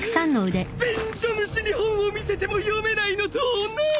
便所虫に本を見せても読めないのと同じ！